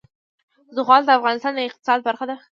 زغال د افغانستان د اقتصاد برخه ده.